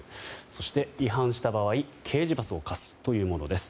そして、違反した場合刑事罰を科すというものです。